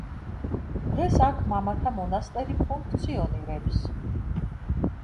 დღეს აქ მამათა მონასტერი ფუნქციონირებს.